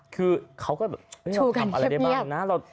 คือเขาก็แบบเราทำอะไรได้บ้างนะ